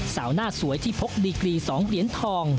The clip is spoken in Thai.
สาวหน้าสวยที่พกดีกรี๒เหรียญทอง